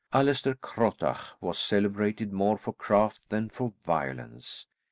Allaster Crottach was celebrated more for craft than for violence.